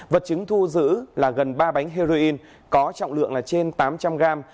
vật chứng thu giữ là gần ba bánh heroin có trọng lượng là trên tám trăm linh gram